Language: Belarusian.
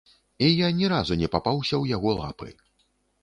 І я ні разу не папаўся ў яго лапы.